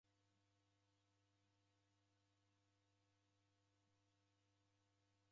Asili ya Kidamu ni kukatisha bea ra m'mbi.